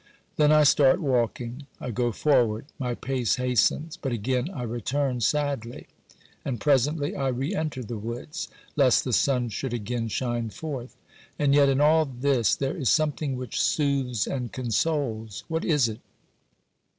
Then I start walking ; I go forward, my pace hastens, but again I return sadly, and presently I re enter the woods, lest the sun should again shine forth. And yet in all this there is something which soothes and consoles. What is it